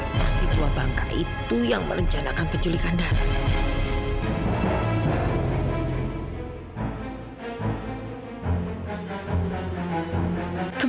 pasti tua bangka itu yang merencanakan penculikan dara